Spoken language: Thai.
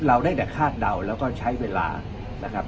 เราได้แต่คาดเดาแล้วก็ใช้เวลานะครับ